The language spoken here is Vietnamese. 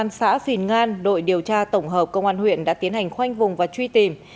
công an xã phìn ngan đội điều tra tổng hợp công an huyện đã tiến hành khoanh vùng và truy tìm